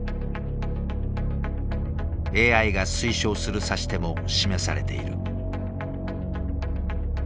ＡＩが推奨する指し手も示されている。